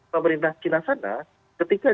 pemerintah kina sana ketika